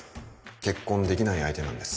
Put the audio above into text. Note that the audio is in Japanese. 結婚できない相手なんです